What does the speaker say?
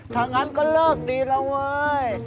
ถ้างั้นก็เลิกดีแล้วเว้ย